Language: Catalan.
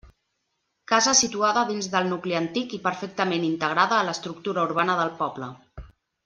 Casa situada dins del nucli antic i perfectament integrada a l'estructura urbana del poble.